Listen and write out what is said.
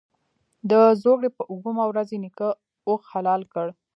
د زوکړ ې په اوومه ورځ یې نیکه اوښ حلال کړ.